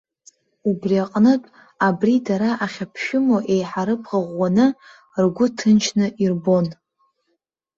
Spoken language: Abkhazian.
Убри аҟнытә, абри дара ахьаԥшәымоу еиҳа рыбӷа ӷәӷәаны, ргәы ҭынчны ирбон.